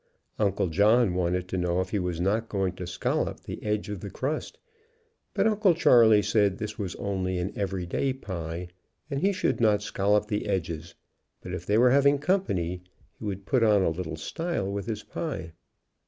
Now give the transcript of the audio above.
Uncle John wanted to know if he was not going to scallop the edge of the crust, but Uncle Charley said this was only an everyday pie and he should not scal lop the edges, but if they were having company, he would put on a little style with his pie.